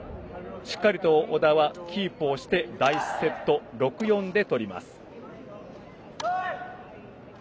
しっかりと小田はキープをして第１セット、６−４で取ります。